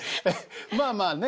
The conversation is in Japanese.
まあまあね。